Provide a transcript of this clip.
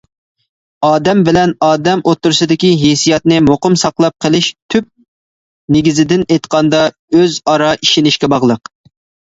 ئادەم بىلەن ئادەم ئوتتۇرىسىدىكى ھېسسىياتنى مۇقىم ساقلاپ قېلىش تۈپ نېگىزىدىن ئېيتقاندا ئۆز ئارا ئىشىنىشكە باغلىق.